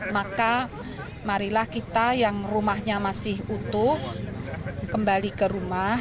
maka marilah kita yang rumahnya masih utuh kembali ke rumah